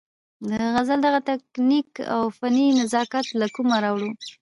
د غزل دغه تکنيک او فني نزاکت له کومه راوړو-